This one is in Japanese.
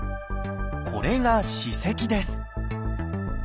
これが「歯石」です。